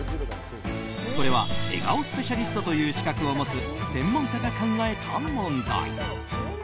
これは笑顔スペシャリストという資格を持つ専門家が考えた問題。